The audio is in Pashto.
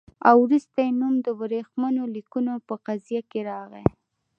او وروسته یې نوم د ورېښمینو لیکونو په قضیه کې راغی.